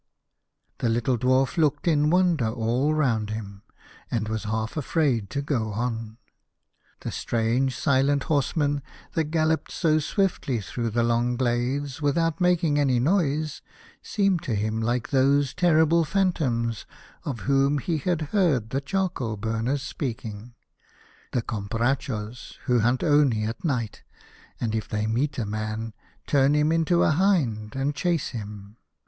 The little Dwarf looked in wonder all round him, and was half afraid to go on. The strange silent horsemen that galloped so swiftly through the long glades without 53 A House of Pomegranates. making any noise, seemed to him like those terrible phantoms of whom he had heard the charcoal burners speaking — the Comprachos, who hunt only at night, and if they meet a man, turn him into a hind, and chase him.